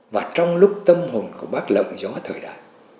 và trong lúc tâm hồn của bác lộng gió thời đại